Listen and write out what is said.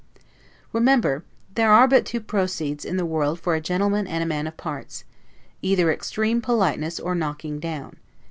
Remember, there are but two 'procedes' in the world for a gentleman and a man of parts; either extreme politeness or knocking down.